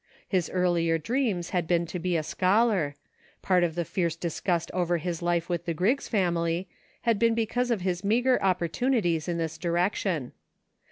His earlier dreams had been to be a scholar ; part of the fierce disgust over his life with the Griggs family had been because of his meagre opportunities in this direction.